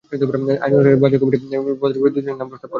আইন অনুসারে বাছাই কমিটি প্রতিটি পদের বিপরীতে দুজনের নাম প্রস্তাব করবে।